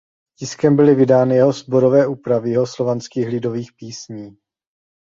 Tiskem byly vydány jeho sborové úpravy jihoslovanských lidových písní.